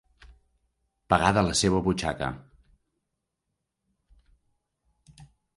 Pagar de la seva butxaca.